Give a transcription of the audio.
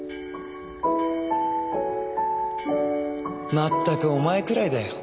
まったくお前くらいだよ